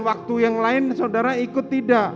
waktu yang lain saudara ikut tidak